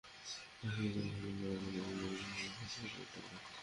আশা করি তুমি ভালো করেই জানো যে প্রমাণ লোপাট করাও একটা অপরাধ।